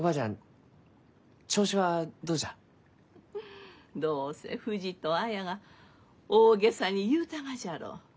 フッどうせふじと綾が大げさに言うたがじゃろう。